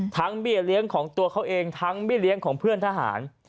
ทั้งไม่เลี้ยงของตัวเขาเองทั้งไม่เลี้ยงของเพื่อนทหาร